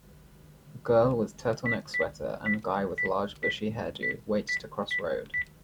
Girl with turtleneck sweater and guy with large bushy hairdo wait to cross road.